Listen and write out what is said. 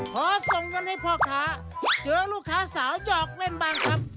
ขอส่งเงินให้พ่อค้าเจอลูกค้าสาวจอกเล่นบ้างครับ